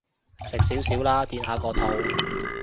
食少少啦，墊下個肚